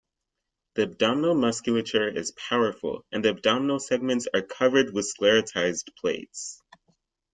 The abdominal musculature is powerful and the abdominal segments are covered with sclerotized plates.